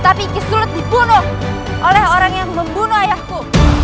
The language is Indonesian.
tapi sulit dibunuh oleh orang yang membunuh ayahku